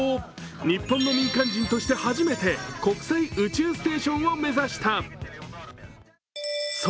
日本の民間人として初めて国際宇宙ステーションを目指した。